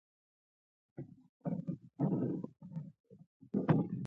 دا ورځ تر بلې زیات ده.